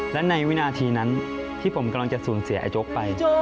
และในวินาทีนั้นที่ผมกำลังจะสูญเสียไอ้โจ๊กไป